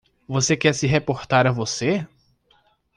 Você quer se reportar a você?